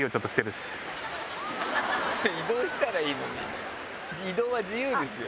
移動したらいいのに移動は自由ですよ。